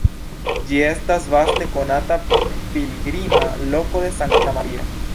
Ĝi estas vaste konata pilgrima loko de Sankta Maria.